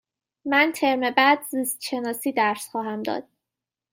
من ترم بعد زیست شناسی درس خواهم داد.